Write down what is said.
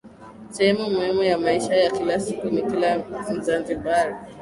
Sehemu muhimu ya maisha ya kila siku ya kila Mzanzibari.